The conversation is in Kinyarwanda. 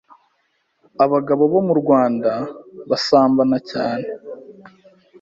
Abagabo bo mu Rwanda basambana cyan